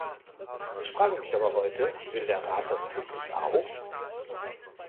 Ich frage mich aber heute, will der Rat das wirklich auch?